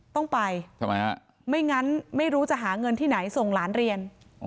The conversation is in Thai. ต้องไปทำไมฮะไม่งั้นไม่รู้จะหาเงินที่ไหนส่งหลานเรียน